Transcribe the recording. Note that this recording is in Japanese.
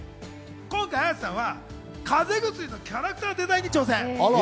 今回、綾瀬さんはかぜ邪薬のキャラクターデザインに挑戦。